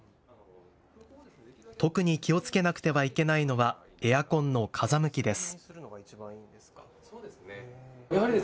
特に気をつけなくてはいけないのはエアコンの風向きです。